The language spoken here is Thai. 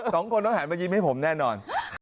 สองคนต้องหันมายิ้มให้ผมแน่นอน